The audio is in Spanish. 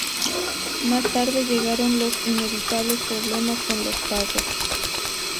Más tarde llegaron los inevitables problemas con los pagos.